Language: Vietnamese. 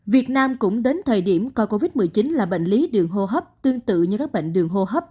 việt nam cũng đến thời điểm coi covid một mươi chín là bệnh lý đường hô hấp tương tự như các bệnh đường hô hấp